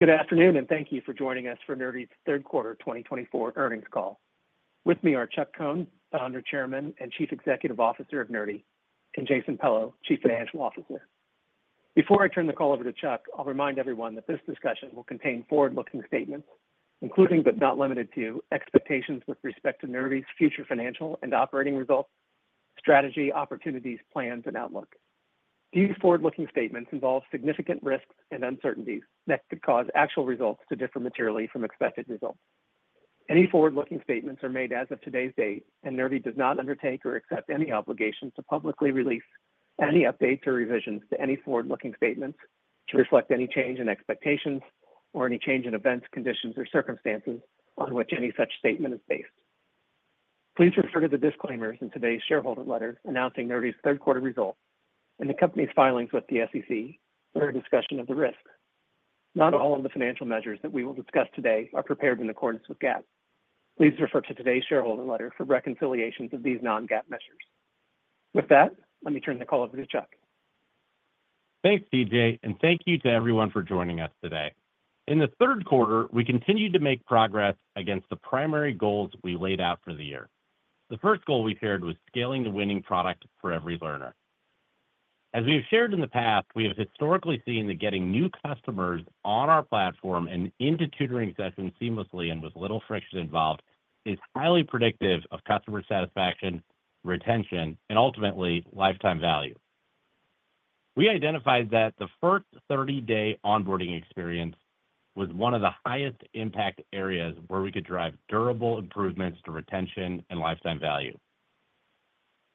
Good afternoon, and thank you for joining us for Nerdy's third quarter 2024 earnings call. With me are Chuck Cohn, Founder, Chairman, and Chief Executive Officer of Nerdy, and Jason Pello, Chief Financial Officer. Before I turn the call over to Chuck, I'll remind everyone that this discussion will contain forward-looking statements, including but not limited to expectations with respect to Nerdy's future financial and operating results, strategy, opportunities, plans, and outlook. These forward-looking statements involve significant risks and uncertainties that could cause actual results to differ materially from expected results. Any forward-looking statements are made as of today's date, and Nerdy does not undertake or accept any obligations to publicly release any updates or revisions to any forward-looking statements to reflect any change in expectations or any change in events, conditions, or circumstances on which any such statement is based. Please refer to the disclaimers in today's shareholder letters announcing Nerdy's third quarter results and the company's filings with the SEC for a discussion of the risks. Not all of the financial measures that we will discuss today are prepared in accordance with GAAP. Please refer to today's shareholder letter for reconciliations of these non-GAAP measures. With that, let me turn the call over to Chuck. Thanks, TJ, and thank you to everyone for joining us today. In the third quarter, we continue to make progress against the primary goals we laid out for the year. The first goal we shared was scaling the winning product for every learner. As we have shared in the past, we have historically seen that getting new customers on our platform and into tutoring sessions seamlessly and with little friction involved is highly predictive of customer satisfaction, retention, and ultimately lifetime value. We identified that the first 30-day onboarding experience was one of the highest impact areas where we could drive durable improvements to retention and lifetime value.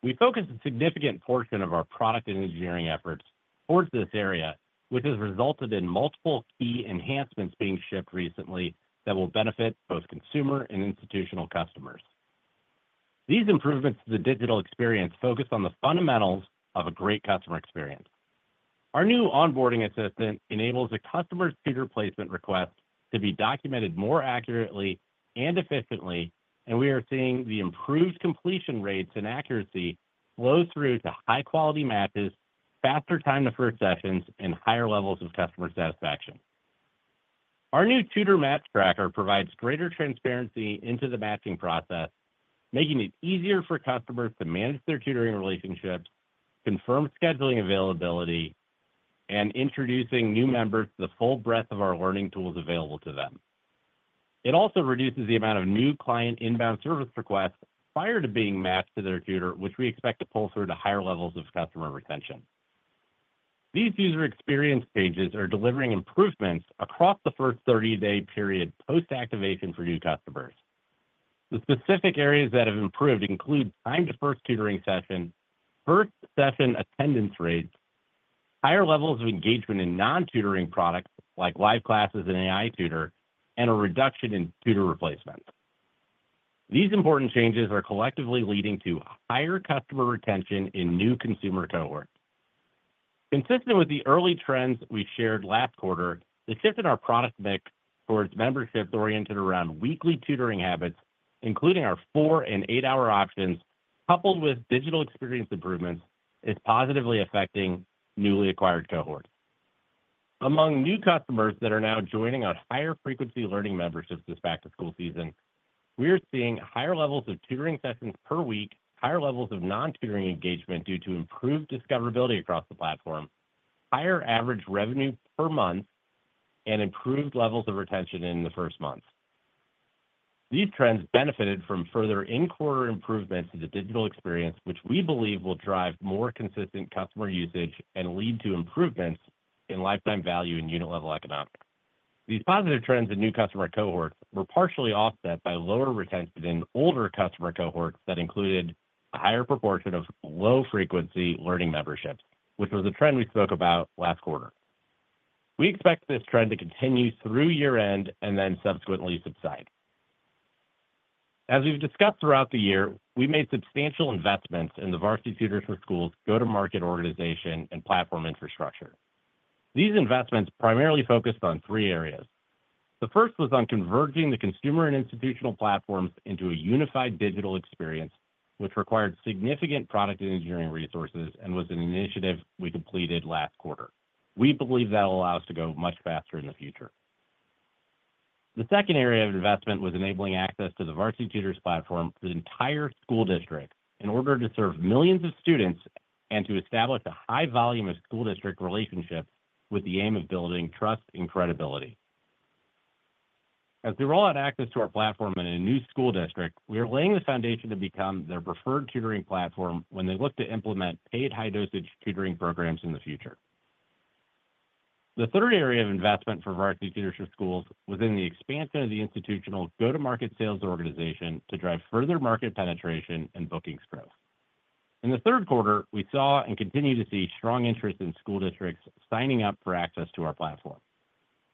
We focused a significant portion of our product and engineering efforts towards this area, which has resulted in multiple key enhancements being shipped recently that will benefit both consumer and institutional customers. These improvements to the digital experience focus on the fundamentals of a great customer experience. Our new Onboarding Assistant enables a customer's tutor placement request to be documented more accurately and efficiently, and we are seeing the improved completion rates and accuracy flow through to high-quality matches, faster time to first sessions, and higher levels of customer satisfaction. Our new Tutor Match Tracker provides greater transparency into the matching process, making it easier for customers to manage their tutoring relationships, confirm scheduling availability, and introduce new members to the full breadth of our learning tools available to them. It also reduces the amount of new client inbound service requests prior to being matched to their tutor, which we expect to pull through to higher levels of customer retention. These user experience changes are delivering improvements across the first 30-day period post-activation for new customers. The specific areas that have improved include time to first tutoring session, first session attendance rates, higher levels of engagement in non-tutoring products like Live Classes and AI Tutor, and a reduction in tutor replacements. These important changes are collectively leading to higher customer retention in new consumer cohorts. Consistent with the early trends we shared last quarter, the shift in our product mix towards memberships oriented around weekly tutoring habits, including our four and eight-hour options, coupled with digital experience improvements, is positively affecting newly acquired cohorts. Among new customers that are now joining on higher frequency Learning Memberships this back-to-school season, we are seeing higher levels of tutoring sessions per week, higher levels of non-tutoring engagement due to improved discoverability across the platform, higher average revenue per month, and improved levels of retention in the first months. These trends benefited from further in-quarter improvements to the digital experience, which we believe will drive more consistent customer usage and lead to improvements in Lifetime Value and unit-level economics. These positive trends in new customer cohorts were partially offset by lower retention in older customer cohorts that included a higher proportion of low-frequency Learning Memberships, which was a trend we spoke about last quarter. We expect this trend to continue through year-end and then subsequently subside. As we've discussed throughout the year, we made substantial investments in the Varsity Tutors for Schools' go-to-market organization and platform infrastructure. These investments primarily focused on three areas. The first was on converging the consumer and institutional platforms into a unified digital experience, which required significant product and engineering resources and was an initiative we completed last quarter. We believe that will allow us to go much faster in the future. The second area of investment was enabling access to the Varsity Tutors platform for the entire school district in order to serve millions of students and to establish a high volume of school district relationships with the aim of building trust and credibility. As they roll out access to our platform in a new school district, we are laying the foundation to become their preferred tutoring platform when they look to implement paid high-dosage tutoring programs in the future. The third area of investment for Varsity Tutors for Schools was in the expansion of the institutional go-to-market sales organization to drive further market penetration and bookings growth. In the third quarter, we saw and continue to see strong interest in school districts signing up for access to our platform.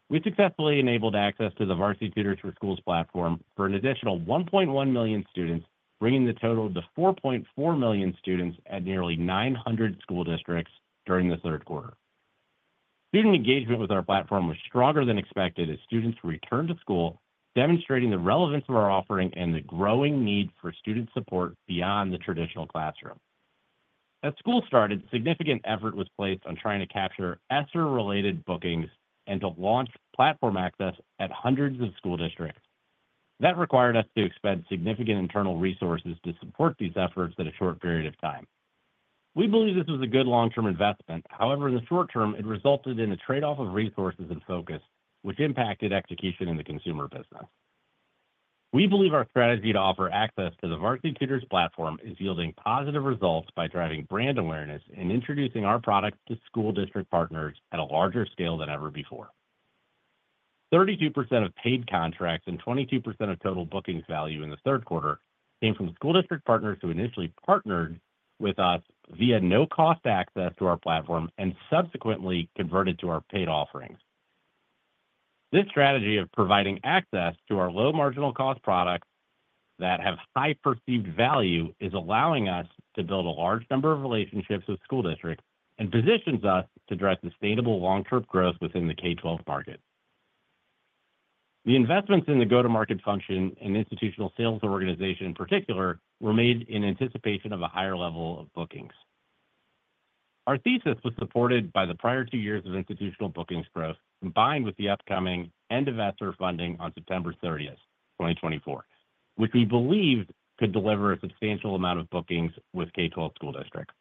We successfully enabled access to the Varsity Tutors for Schools platform for an additional 1.1 million students, bringing the total to 4.4 million students at nearly 900 school districts during the third quarter. Student engagement with our platform was stronger than expected as students returned to school, demonstrating the relevance of our offering and the growing need for student support beyond the traditional classroom. As school started, significant effort was placed on trying to capture ESSER-related bookings and to launch platform access at hundreds of school districts. That required us to expend significant internal resources to support these efforts in a short period of time. We believe this was a good long-term investment. However, in the short term, it resulted in a trade-off of resources and focus, which impacted execution in the consumer business. We believe our strategy to offer access to the Varsity Tutors platform is yielding positive results by driving brand awareness and introducing our product to school district partners at a larger scale than ever before. 32% of paid contracts and 22% of total bookings value in the third quarter came from school district partners who initially partnered with us via no-cost access to our platform and subsequently converted to our paid offerings. This strategy of providing access to our low-marginal-cost products that have high perceived value is allowing us to build a large number of relationships with school districts and positions us to drive sustainable long-term growth within the K-12 market. The investments in the go-to-market function and institutional sales organization in particular were made in anticipation of a higher level of bookings. Our thesis was supported by the prior two years of institutional bookings growth combined with the upcoming end-of-ESSER funding on September 30th, 2024, which we believed could deliver a substantial amount of bookings with K-12 school districts.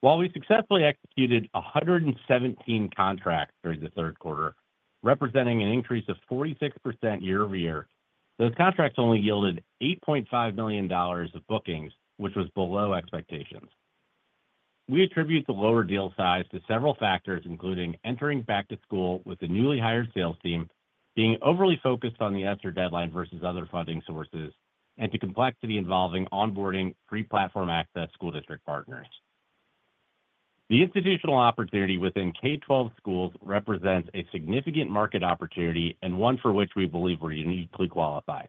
While we successfully executed 117 contracts during the third quarter, representing an increase of 46% year-over-year, those contracts only yielded $8.5 million of bookings, which was below expectations. We attribute the lower deal size to several factors, including entering back to school with a newly hired sales team, being overly focused on the ESSER deadline versus other funding sources, and to complexity involving onboarding pre-platform access school district partners. The institutional opportunity within K-12 schools represents a significant market opportunity and one for which we believe we're uniquely qualified.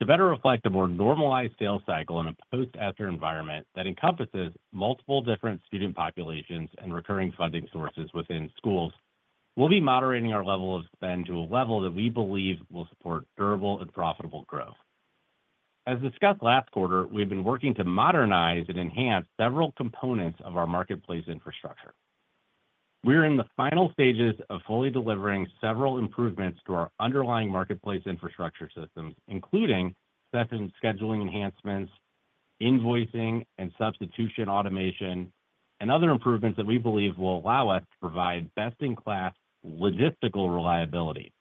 To better reflect a more normalized sales cycle in a post-ESSER environment that encompasses multiple different student populations and recurring funding sources within schools, we'll be moderating our level of spend to a level that we believe will support durable and profitable growth. As discussed last quarter, we've been working to modernize and enhance several components of our marketplace infrastructure. We're in the final stages of fully delivering several improvements to our underlying marketplace infrastructure systems, including session scheduling enhancements, invoicing and substitution automation, and other improvements that we believe will allow us to provide best-in-class logistical reliability.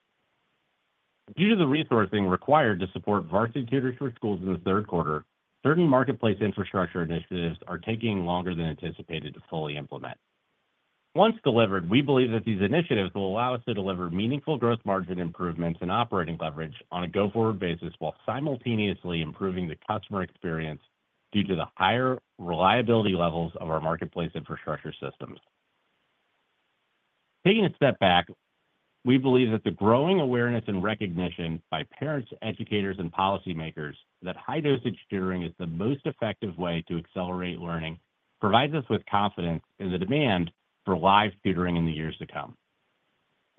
Due to the resourcing required to support Varsity Tutors for Schools in the third quarter, certain marketplace infrastructure initiatives are taking longer than anticipated to fully implement. Once delivered, we believe that these initiatives will allow us to deliver meaningful gross margin improvements and operating leverage on a go-forward basis while simultaneously improving the customer experience due to the higher reliability levels of our marketplace infrastructure systems. Taking a step back, we believe that the growing awareness and recognition by parents, educators, and policymakers that high-dosage tutoring is the most effective way to accelerate learning provides us with confidence in the demand for live tutoring in the years to come.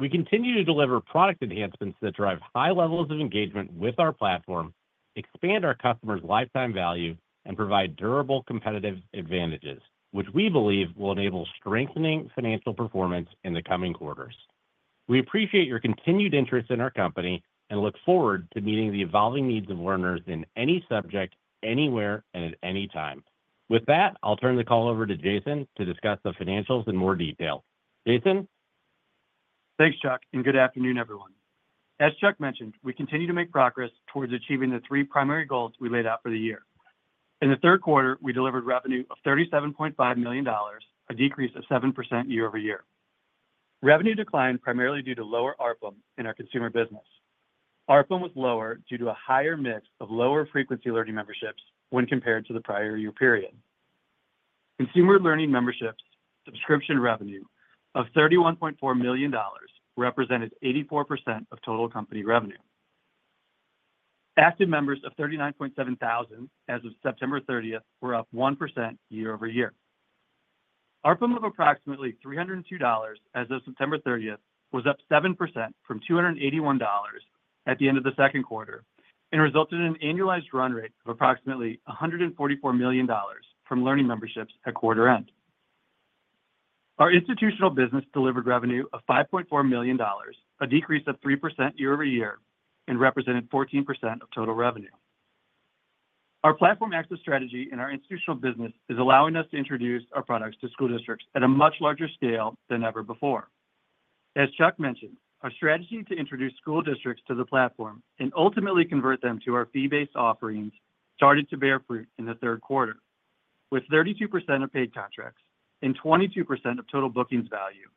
We continue to deliver product enhancements that drive high levels of engagement with our platform, expand our customers' lifetime value, and provide durable competitive advantages, which we believe will enable strengthening financial performance in the coming quarters. We appreciate your continued interest in our company and look forward to meeting the evolving needs of learners in any subject, anywhere, and at any time. With that, I'll turn the call over to Jason to discuss the financials in more detail. Jason. Thanks, Chuck, and good afternoon, everyone. As Chuck mentioned, we continue to make progress towards achieving the three primary goals we laid out for the year. In the third quarter, we delivered revenue of $37.5 million, a decrease of 7% year-over-year. Revenue declined primarily due to lower ARPM in our consumer business. ARPM was lower due to a higher mix of lower-frequency learning memberships when compared to the prior year period. Consumer learning memberships' subscription revenue of $31.4 million represented 84% of total company revenue. Active members of 39.7 thousand as of September 30th were up 1% year-over-year. ARPM of approximately $302 as of September 30th was up 7% from $281 at the end of the second quarter and resulted in an annualized run rate of approximately $144 million from learning memberships at quarter end. Our institutional business delivered revenue of $5.4 million, a decrease of 3% year-over-year, and represented 14% of total revenue. Our platform access strategy in our institutional business is allowing us to introduce our products to school districts at a much larger scale than ever before. As Chuck mentioned, our strategy to introduce school districts to the platform and ultimately convert them to our fee-based offerings started to bear fruit in the third quarter, with 32% of paid contracts and 22% of total bookings value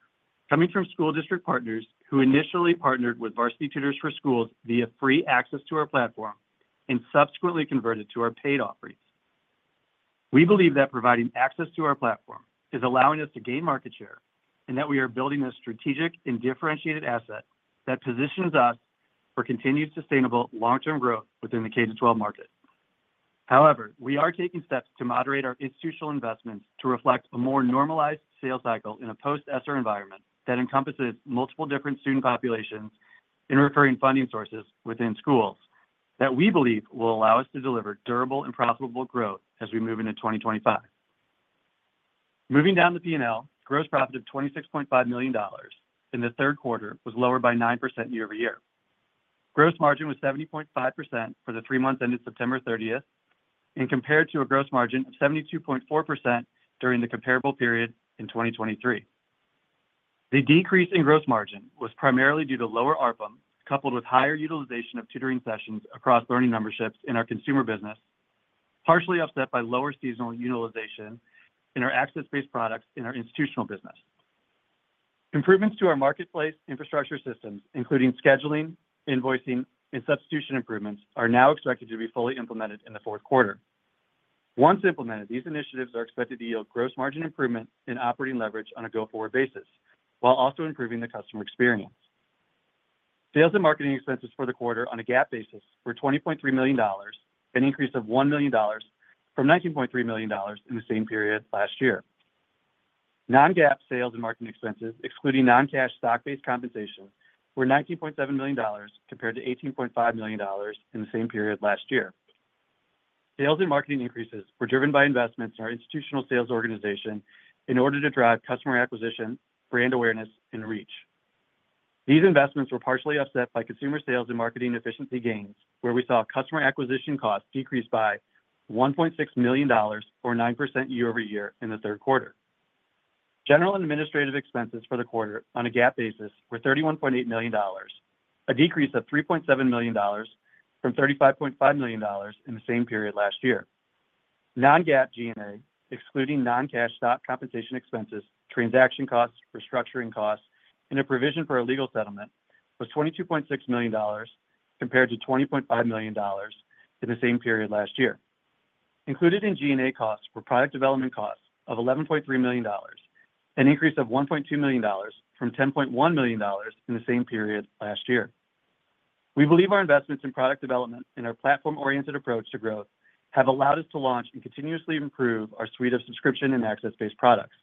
coming from school district partners who initially partnered with Varsity Tutors for Schools via free access to our platform and subsequently converted to our paid offerings. We believe that providing access to our platform is allowing us to gain market share and that we are building a strategic and differentiated asset that positions us for continued sustainable long-term growth within the K-12 market. However, we are taking steps to moderate our institutional investments to reflect a more normalized sales cycle in a post-ESSER environment that encompasses multiple different student populations and recurring funding sources within schools that we believe will allow us to deliver durable and profitable growth as we move into 2025. Moving down the P&L, gross profit of $26.5 million in the third quarter was lower by 9% year-over-year. Gross margin was 70.5% for the three months ended September 30th and compared to a gross margin of 72.4% during the comparable period in 2023. The decrease in gross margin was primarily due to lower ARPM coupled with higher utilization of tutoring sessions across learning memberships in our consumer business, partially offset by lower seasonal utilization in our access-based products in our institutional business. Improvements to our marketplace infrastructure systems, including scheduling, invoicing, and substitution improvements, are now expected to be fully implemented in the fourth quarter. Once implemented, these initiatives are expected to yield gross margin improvement and operating leverage on a go-forward basis, while also improving the customer experience. Sales and marketing expenses for the quarter on a GAAP basis were $20.3 million, an increase of $1 million from $19.3 million in the same period last year. Non-GAAP sales and marketing expenses, excluding non-cash stock-based compensation, were $19.7 million compared to $18.5 million in the same period last year. Sales and marketing increases were driven by investments in our institutional sales organization in order to drive customer acquisition, brand awareness, and reach. These investments were partially offset by consumer sales and marketing efficiency gains, where we saw customer acquisition costs decrease by $1.6 million, or 9% year-over-year, in the third quarter. General and administrative expenses for the quarter on a GAAP basis were $31.8 million, a decrease of $3.7 million from $35.5 million in the same period last year. Non-GAAP G&A, excluding non-cash stock compensation expenses, transaction costs, restructuring costs, and a provision for a legal settlement, was $22.6 million compared to $20.5 million in the same period last year. Included in G&A costs were product development costs of $11.3 million, an increase of $1.2 million from $10.1 million in the same period last year. We believe our investments in product development and our platform-oriented approach to growth have allowed us to launch and continuously improve our suite of subscription and access-based products,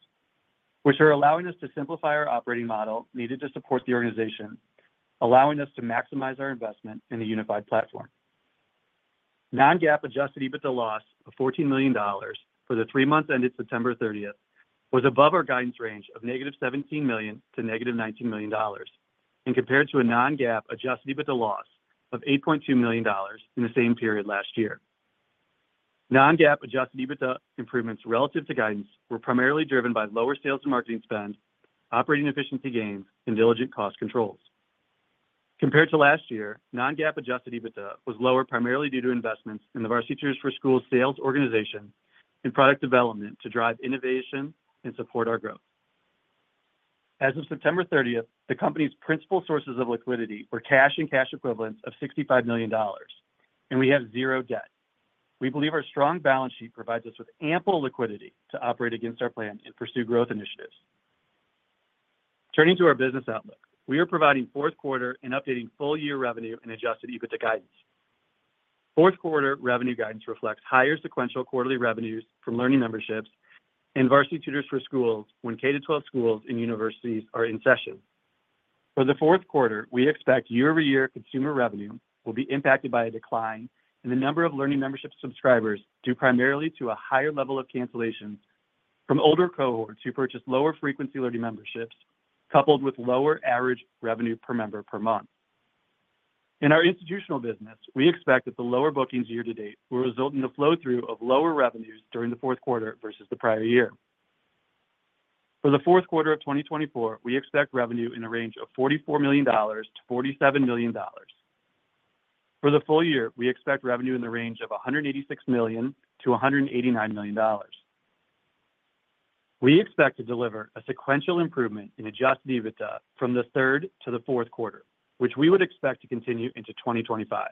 which are allowing us to simplify our operating model needed to support the organization, allowing us to maximize our investment in a unified platform. Non-GAAP adjusted EBITDA loss of $14 million for the three months ended September 30th was above our guidance range of negative $17 million to negative $19 million and compared to a non-GAAP adjusted EBITDA loss of $8.2 million in the same period last year. Non-GAAP adjusted EBITDA improvements relative to guidance were primarily driven by lower sales and marketing spend, operating efficiency gains, and diligent cost controls. Compared to last year, non-GAAP adjusted EBITDA was lower primarily due to investments in the Varsity Tutors for Schools sales organization and product development to drive innovation and support our growth. As of September 30th, the company's principal sources of liquidity were cash and cash equivalents of $65 million, and we have zero debt. We believe our strong balance sheet provides us with ample liquidity to operate against our plan and pursue growth initiatives. Turning to our business outlook, we are providing fourth quarter and updating full-year revenue and Adjusted EBITDA guidance. Fourth quarter revenue guidance reflects higher sequential quarterly revenues from Learning Memberships and Varsity Tutors for Schools when K-12 schools and universities are in session. For the fourth quarter, we expect year-over-year consumer revenue will be impacted by a decline in the number of Learning Membership subscribers due primarily to a higher level of cancellations from older cohorts who purchased lower-frequency Learning Memberships, coupled with lower average revenue per member per month. In our institutional business, we expect that the lower bookings year-to-date will result in the flow-through of lower revenues during the fourth quarter versus the prior year. For the fourth quarter of 2024, we expect revenue in the range of $44 million-$47 million. For the full year, we expect revenue in the range of $186 million-$189 million. We expect to deliver a sequential improvement in Adjusted EBITDA from the third to the fourth quarter, which we would expect to continue into 2025.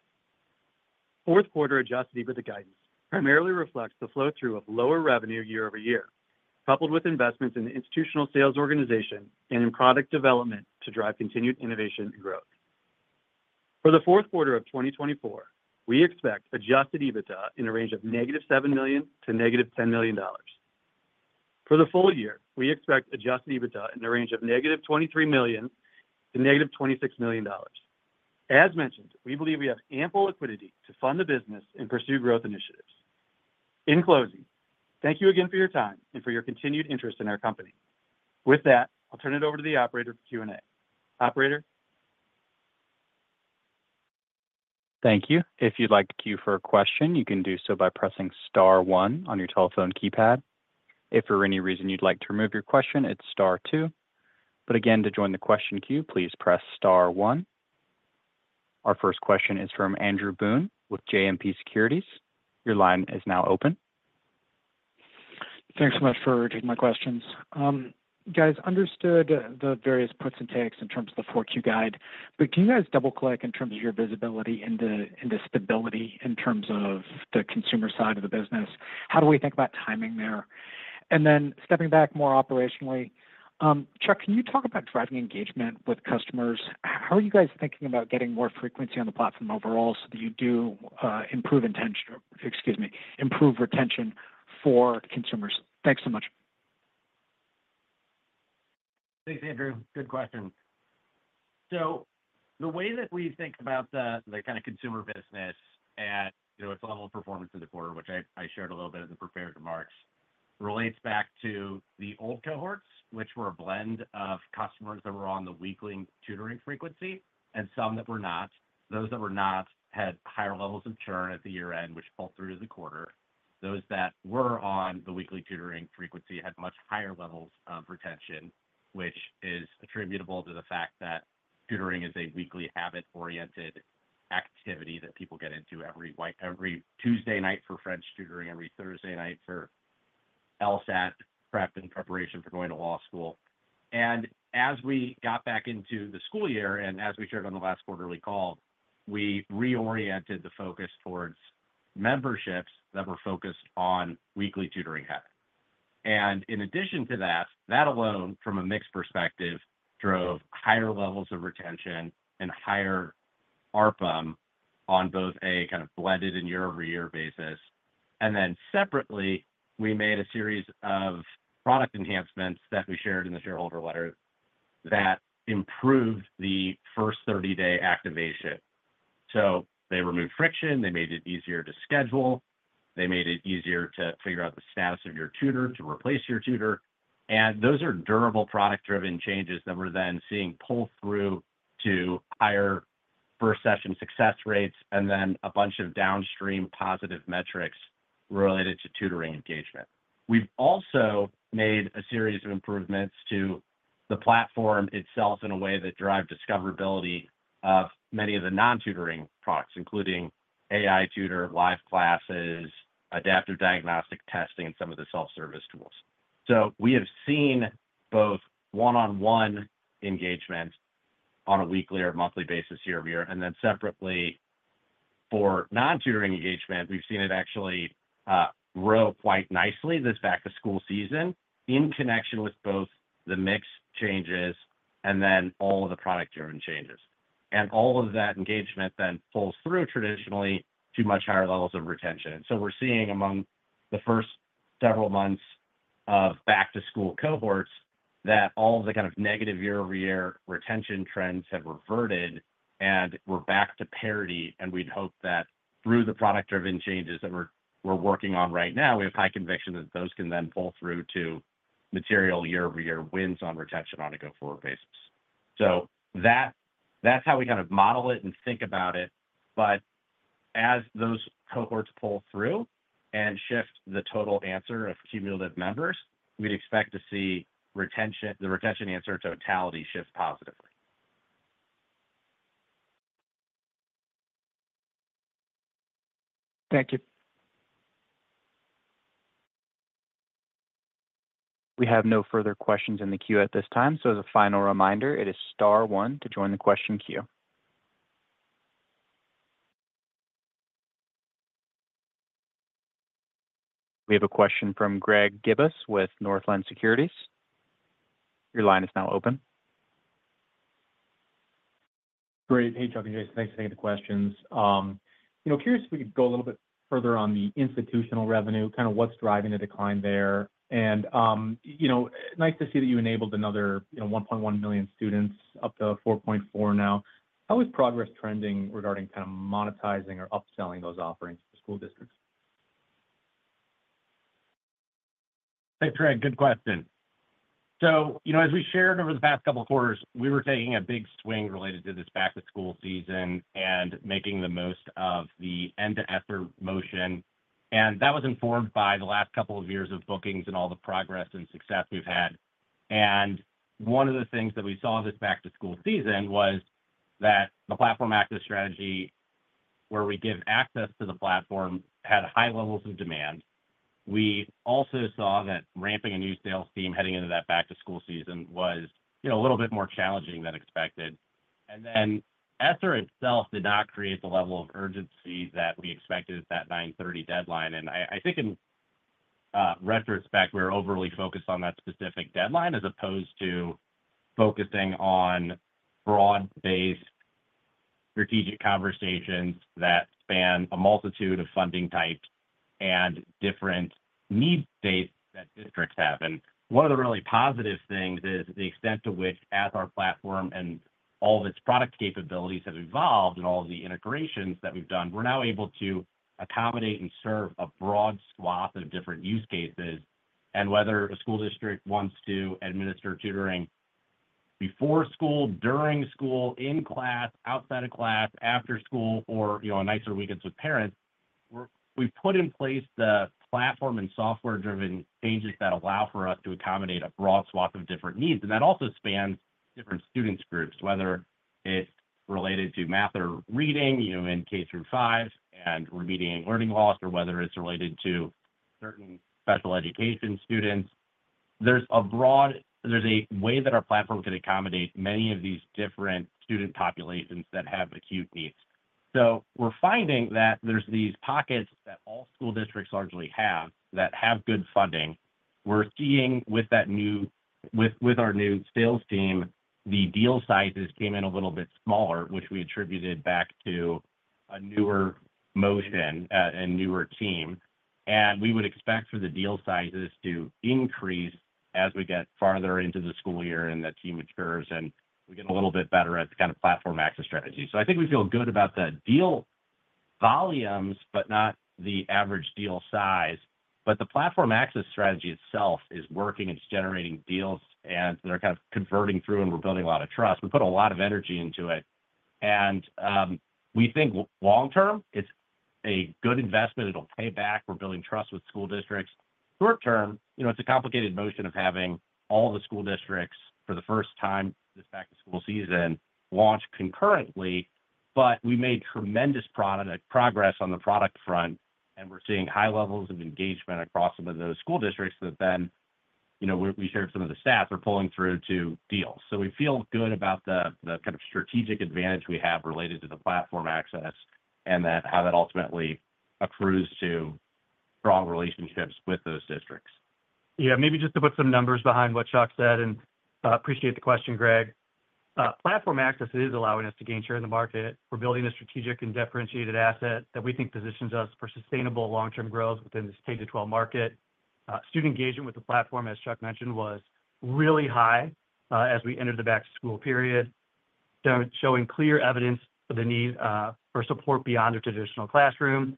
Fourth quarter Adjusted EBITDA guidance primarily reflects the flow-through of lower revenue year-over-year, coupled with investments in the institutional sales organization and in product development to drive continued innovation and growth. For the fourth quarter of 2024, we expect Adjusted EBITDA in a range of negative $7 million-negative $10 million. For the full year, we expect Adjusted EBITDA in the range of negative $23 million-negative $26 million. As mentioned, we believe we have ample liquidity to fund the business and pursue growth initiatives. In closing, thank you again for your time and for your continued interest in our company. With that, I'll turn it over to the operator for Q&A. Operator. Thank you. If you'd like to queue for a question, you can do so by pressing Star one on your telephone keypad. If for any reason you'd like to remove your question, it's Star two. But again, to join the question queue, please press Star one. Our first question is from Andrew Boone with JMP Securities. Your line is now open. Thanks so much for taking my questions. Guys, understood the various puts and takes in terms of the forward queue guide, but can you guys double-click in terms of your visibility and the stability in terms of the consumer side of the business? How do we think about timing there? And then stepping back more operationally, Chuck, can you talk about driving engagement with customers? How are you guys thinking about getting more frequency on the platform overall so that you do improve retention for consumers? Thanks so much. Thanks, Andrew. Good question. So the way that we think about the kind of consumer business at its level of performance in the quarter, which I shared a little bit in the prepared remarks, relates back to the old cohorts, which were a blend of customers that were on the weekly tutoring frequency and some that were not. Those that were not had higher levels of churn at the year-end, which fell through to the quarter. Those that were on the weekly tutoring frequency had much higher levels of retention, which is attributable to the fact that tutoring is a weekly habit-oriented activity that people get into every Tuesday night for French tutoring, every Thursday night for LSAT prep and preparation for going to law school. And as we got back into the school year and as we shared on the last quarterly call, we reoriented the focus towards memberships that were focused on weekly tutoring habit. And in addition to that, that alone, from a mixed perspective, drove higher levels of retention and higher ARPM on both a kind of blended and year-over-year basis. And then separately, we made a series of product enhancements that we shared in the shareholder letter that improved the first 30-day activation, so they removed friction, they made it easier to schedule, they made it easier to figure out the status of your tutor, to replace your tutor. And those are durable product-driven changes that we're then seeing pull through to higher first-session success rates and then a bunch of downstream positive metrics related to tutoring engagement. We've also made a series of improvements to the platform itself in a way that drives discoverability of many of the non-tutoring products, including AI tutor, live classes, adaptive diagnostic testing, and some of the self-service tools, so we have seen both one-on-one engagement on a weekly or monthly basis year-over-year, and then separately, for non-tutoring engagement, we've seen it actually grow quite nicely this back-to-school season in connection with both the mix changes and then all of the product-driven changes, and all of that engagement then pulls through traditionally to much higher levels of retention, and so we're seeing among the first several months of back-to-school cohorts that all of the kind of negative year-over-year retention trends have reverted and we're back to parity. We'd hope that through the product-driven changes that we're working on right now, we have high conviction that those can then pull through to material year-over-year wins on retention on a go-forward basis. That's how we kind of model it and think about it. As those cohorts pull through and shift the total answer of cumulative members, we'd expect to see the retention answer totality shift positively. Thank you. We have no further questions in the queue at this time. So as a final reminder, it is Star one to join the question queue. We have a question from Greg Gibas with Northland Securities. Your line is now open. Great. Hey, Chuck and Jason. Thanks for taking the questions. Curious if we could go a little bit further on the institutional revenue, kind of what's driving the decline there? And nice to see that you enabled another 1.1 million students, up to 4.4 million now. How is progress trending regarding kind of monetizing or upselling those offerings to the school districts? Hey, Greg, good question. So as we shared over the past couple of quarters, we were taking a big swing related to this back-to-school season and making the most of the end-of-ESSER. And that was informed by the last couple of years of bookings and all the progress and success we've had. And one of the things that we saw this back-to-school season was that the platform access strategy, where we give access to the platform, had high levels of demand. We also saw that ramping a new sales team heading into that back-to-school season was a little bit more challenging than expected. And then ESSER itself did not create the level of urgency that we expected at that 9/30 deadline. I think in retrospect, we're overly focused on that specific deadline as opposed to focusing on broad-based strategic conversations that span a multitude of funding types and different needs states that districts have. One of the really positive things is the extent to which ESSER platform and all of its product capabilities have evolved and all of the integrations that we've done. We're now able to accommodate and serve a broad swath of different use cases. Whether a school district wants to administer tutoring before school, during school, in class, outside of class, after school, or on nicer weekends with parents, we've put in place the platform and software-driven changes that allow for us to accommodate a broad swath of different needs. And that also spans different students' groups, whether it's related to math or reading in K-5 and remedying learning loss, or whether it's related to certain special education students. There's a way that our platform can accommodate many of these different student populations that have acute needs. So we're finding that there's these pockets that all school districts largely have that have good funding. We're seeing with our new sales team, the deal sizes came in a little bit smaller, which we attributed back to a newer motion and newer team. And we would expect for the deal sizes to increase as we get farther into the school year and that team matures and we get a little bit better at the kind of platform access strategy. So I think we feel good about the deal volumes, but not the average deal size. But the platform access strategy itself is working. It's generating deals, and they're kind of converting through, and we're building a lot of trust. We put a lot of energy into it. And we think long-term, it's a good investment. It'll pay back. We're building trust with school districts. Short-term, it's a complicated motion of having all the school districts for the first time this back-to-school season launch concurrently. But we made tremendous progress on the product front, and we're seeing high levels of engagement across some of those school districts that then we shared some of the stats are pulling through to deals. So we feel good about the kind of strategic advantage we have related to the platform access and how that ultimately accrues to strong relationships with those districts. Yeah, maybe just to put some numbers behind what Chuck said and appreciate the question, Greg. Platform Access is allowing us to gain share in the market. We're building a strategic and differentiated asset that we think positions us for sustainable long-term growth within this K-12 market. Student engagement with the platform, as Chuck mentioned, was really high as we entered the back-to-school period, showing clear evidence of the need for support beyond the traditional classroom,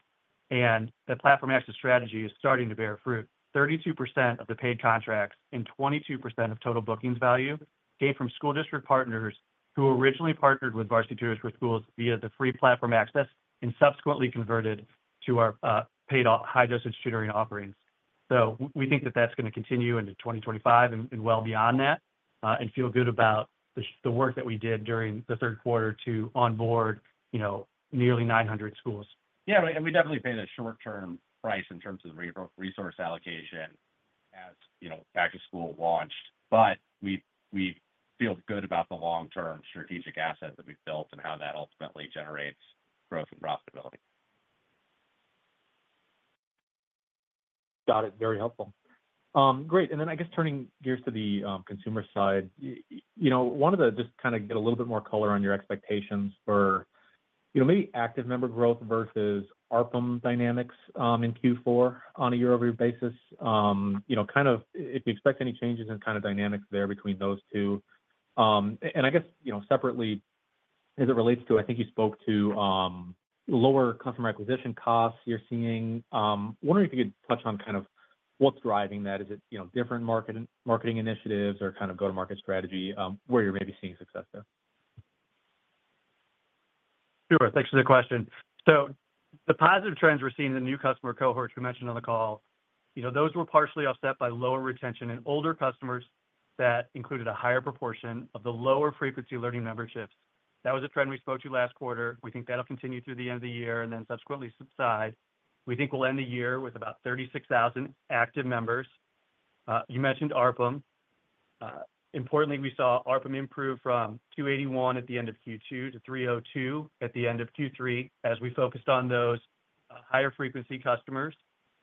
and the platform access strategy is starting to bear fruit. 32% of the paid contracts and 22% of total bookings value came from school district partners who originally partnered with Varsity Tutors for Schools via the free platform access and subsequently converted to our paid high-dosage tutoring offerings. So we think that that's going to continue into 2025 and well beyond that and feel good about the work that we did during the third quarter to onboard nearly 900 schools. Yeah, and we definitely paid a short-term price in terms of resource allocation as back-to-school launched. But we feel good about the long-term strategic asset that we've built and how that ultimately generates growth and profitability. Got it. Very helpful. Great. And then I guess turning gears to the consumer side, wanted to just kind of get a little bit more color on your expectations for maybe active member growth versus ARPM dynamics in Q4 on a year-over-year basis. Kind of if you expect any changes in kind of dynamics there between those two. And I guess separately, as it relates to, I think you spoke to lower customer acquisition costs you're seeing. Wondering if you could touch on kind of what's driving that? Is it different marketing initiatives or kind of go-to-market strategy where you're maybe seeing success there? Sure. Thanks for the question. So the positive trends we're seeing in the new customer cohorts we mentioned on the call, those were partially offset by lower retention and older customers that included a higher proportion of the lower-frequency learning memberships. That was a trend we spoke to last quarter. We think that'll continue through the end of the year and then subsequently subside. We think we'll end the year with about 36,000 active members. You mentioned ARPM. Importantly, we saw ARPM improve from 281 at the end of Q2 to 302 at the end of Q3 as we focused on those higher-frequency customers.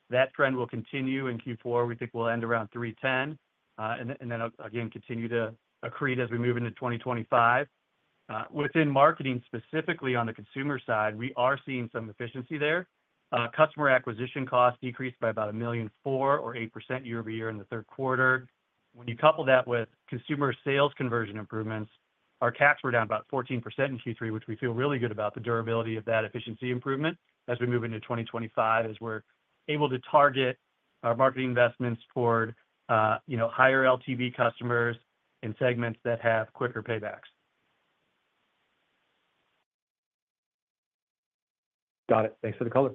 That trend will continue in Q4. We think we'll end around 310 and then again continue to accrete as we move into 2025. Within marketing, specifically on the consumer side, we are seeing some efficiency there. Customer acquisition costs decreased by about $1.4 million or 8% year-over-year in the third quarter. When you couple that with consumer sales conversion improvements, our CACs were down about 14% in Q3, which we feel really good about the durability of that efficiency improvement as we move into 2025 as we're able to target our marketing investments toward higher LTV customers in segments that have quicker paybacks. Got it. Thanks for the color.